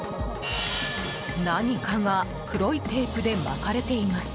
何かが黒いテープで巻かれています。